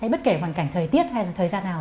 bất kể hoàn cảnh thời tiết hay là thời gian nào